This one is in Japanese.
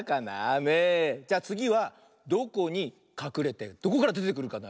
じゃあつぎはどこにかくれてどこからでてくるかな。